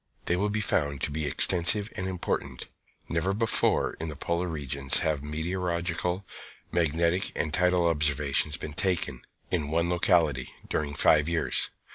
They will be found to be extensive and important. Never before, in the polar regions, have meteorological, magnetic and tidal observations been taken, in one locality, during five years.